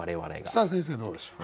さあ先生どうでしょう？